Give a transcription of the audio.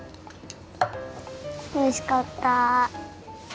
おいしかった。